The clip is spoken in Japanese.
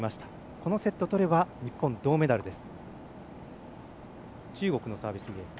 このセット取れば、日本銅メダルです。